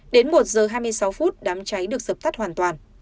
đến một giờ hai mươi sáu phút đám cháy được dập tắt hoàn toàn